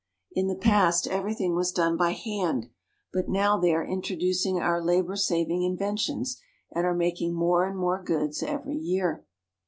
In the past everything was done by hand, but they are now introducing our labor saving inventions, and are making more and more goods every year.